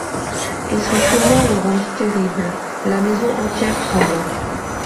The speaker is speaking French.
Et son tourment le rendit terrible, la maison entière trembla.